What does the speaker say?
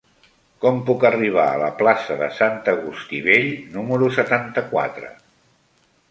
Com puc arribar a la plaça de Sant Agustí Vell número setanta-quatre?